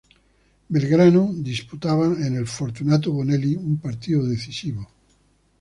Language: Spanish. Belgrano disputaba en el Fortunato Bonelli un partido decisivo.